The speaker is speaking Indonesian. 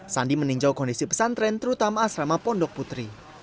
sandi meninjau kondisi pesantren terutama asrama pondok putri